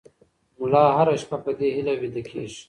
ملا هره شپه په دې هیله ویده کېږي.